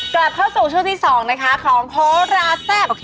กลับเข้าสู่ช่วงที่๒นะคะของโหราแซ่บ